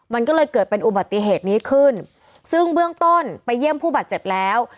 มันก็เลยเกิดเป็นอุบัติเหตุนี้ขึ้นซึ่งเบื้องต้นไปเยี่ยมผู้บาดเจ็บแล้ว